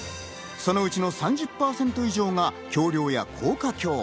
そのうちの３０％以上が橋りょうや高架橋。